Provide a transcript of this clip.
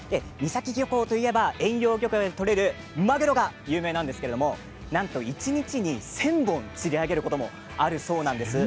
三崎漁港といえば遠洋漁業で取れるまぐろが有名なんですがなんと一日に１０００本釣り上げることもあるそうなんです。